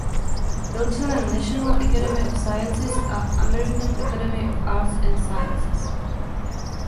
Byl členem National Academy of Sciences a American Academy of Arts and Sciences.